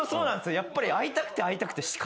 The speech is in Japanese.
やっぱり。